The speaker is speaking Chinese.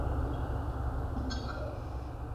斛斯椿之孙。